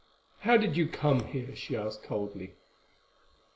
"How did you come here?" she asked coldly.